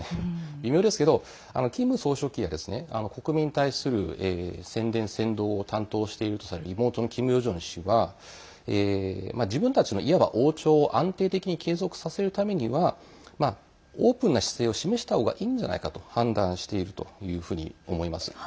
微妙ですけどキム総書記は国民に対する宣伝・扇動を担当しているとされる妹のキム・ヨジョン氏は自分たちのいわば、王朝を安定的に継続させるためにはオープンな姿勢を示したほうがいいんじゃないかと判断しているというふうに思います。